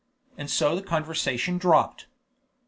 And so the conversation dropped.